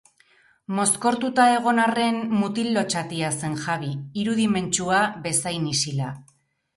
Mozkortuta egon arren mutil lotsatia zen Jabi, irudimentsua bezain isila.